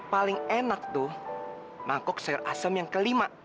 paling enak tuh mangkok sayur asam yang kelima